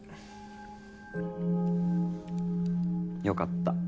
よかった。